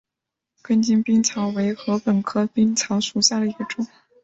根茎冰草为禾本科冰草属下的一个种。